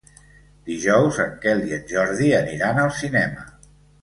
Dijous en Quel i en Jordi aniran al cinema.